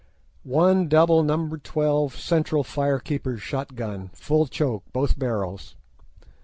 "One double No. 12 central fire Keeper's shot gun, full choke both barrels."